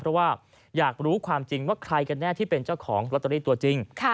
เพราะว่าอยากรู้ความจริงว่าใครกันแน่ที่เป็นเจ้าของลอตเตอรี่ตัวจริง